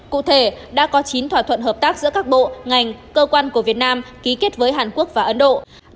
cụ thể đã có chín thỏa thuận hợp tác giữa các bộ ngành cơ quan của việt nam ký kết với hàn quốc và ấn độ